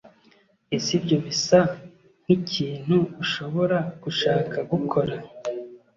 ese ibyo bisa nkikintu ushobora gushaka gukora